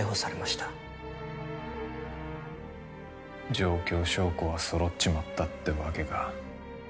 状況証拠はそろっちまったってわけか。